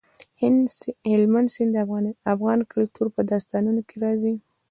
هلمند سیند د افغان کلتور په داستانونو کې راځي.